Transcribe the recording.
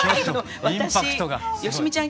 私よしみちゃん